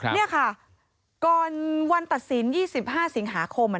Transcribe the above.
นี่ค่ะก่อนวันตัดสิน๒๕สิงหาคม